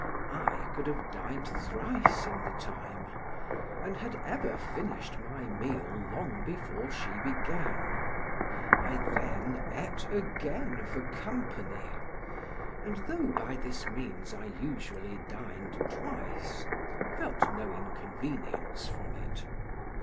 I could have dined thrice in the time, and had ever finished my meal long before she began; I then ate again for company; and though by this means I usually dined twice, felt no inconvenience from it.